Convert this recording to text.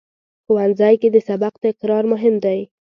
ښوونځی کې د سبق تکرار مهم دی